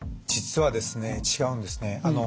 実はですね違うんですね。